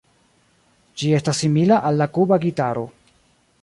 Ĝi estas simila al la Kuba gitaro.